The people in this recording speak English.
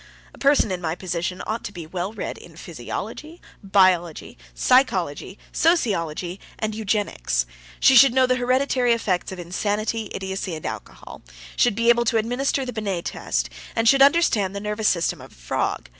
A person in my position ought to be well read in physiology, biology, psychology, sociology, and eugenics; she should know the hereditary effects of insanity, idiocy, and alcohol; should be able to administer the Binet test; and should understand the nervous system of a frog.